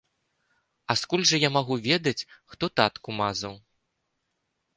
А скуль жа я магу ведаць, хто татку мазаў?